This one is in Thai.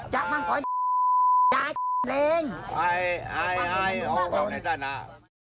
จับฟังของไอ้ไอ้ไอ้เอาเขาในข้างหน้า